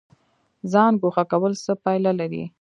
ځان ګوښه کول څه پایله لري؟